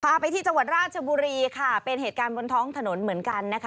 ไปที่จังหวัดราชบุรีค่ะเป็นเหตุการณ์บนท้องถนนเหมือนกันนะคะ